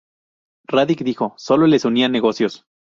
Radić dijo sólo les unían negocios.